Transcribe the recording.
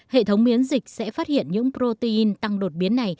hệ thống miễn dịch sẽ phát hiện những protein tăng đột biến này